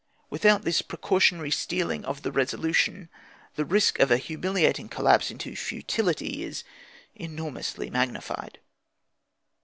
Without this precautionary steeling of the resolution the risk of a humiliating collapse into futility is enormously magnified.